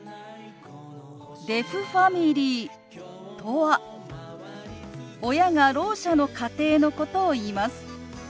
デフファミリーとは親がろう者の家庭のことをいいます。